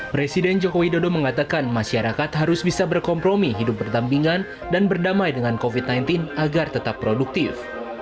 presiden jokowi dodo mengatakan masyarakat harus bisa berkompromi hidup berdampingan dan berdamai dengan covid sembilan belas agar tetap produktif